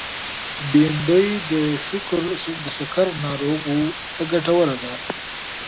بېنډۍ د شکر ناروغو ته ګټوره ده